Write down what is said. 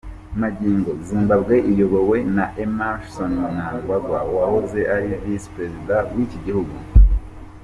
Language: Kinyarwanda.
Magingo Zimbabwe iyobowe na Emmerson Mnangagwa wahoze ari visi Perezida w’ iki gihugu.